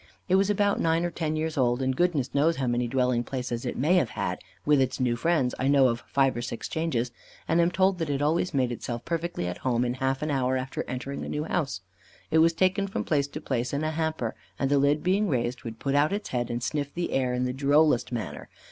It was about nine or ten years old, and goodness knows how many dwelling places it may have had; with its new friends, I know of five or six changes, and am told that it always made itself perfectly at home in half an hour after entering a new house. It was taken from place to place in a hamper, and the lid being raised would put out its head and sniff the air in the drollest manner.